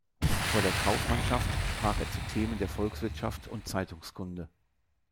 Vor der Kaufmannschaft sprach er zu Themen der Volkswirtschaft und Zeitungskunde.